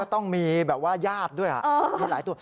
มันก็ต้องมีแบบว่ายาดด้วยค่ะหลายตัว